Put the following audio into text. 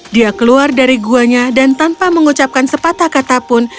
dia keluar dari guanya dan tanpa mengucapkan sepatah kata pun